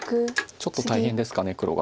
ちょっと大変ですか黒が。